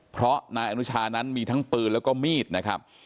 เพราะนายอนุชานั้นมีทั้งปืนแล้วก็มีดนะครับ